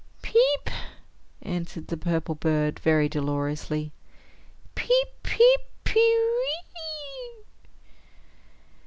"Peep!" answered the purple bird, very dolorously. "Peep, peep, pe we e!"